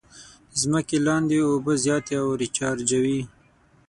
د ځمکې لاندې اوبه زیاتې او ریچارجوي.